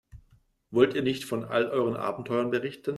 Wollt ihr nicht von all euren Abenteuern berichten?